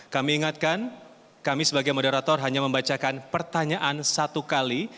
kami ingatkan kami sebagai moderator hanya membacakan pertanyaan satu kali